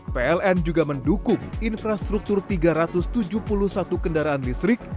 pln juga mendukung infrastruktur tiga ratus tujuh puluh satu kendaraan listrik